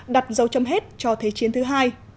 đặt dấu chấm hết cho thế chiến thứ hai